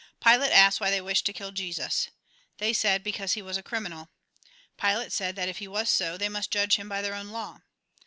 Pilate asked why they wished to kill Jesus. They said, because he was a criminal. Pilate said that if he was so, they must judge him by their own law.